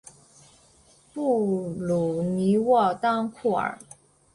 布吕尼沃当库尔。